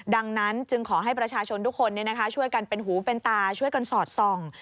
ดังนั้นจึงขอให้ประชาชนทุกคนช่วยกันเป็นหูเป็นตาช่วยกันสอดส่อง